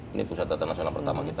ini pusat data nasional pertama kita